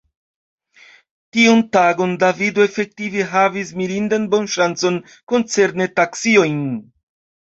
Tiun tagon Davido efektive havis mirindan bonŝancon koncerne taksiojn.